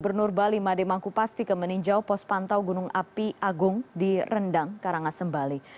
bernur bali mademangku pastika meninjau pos pantau gunung api agung di rendang karangasem bali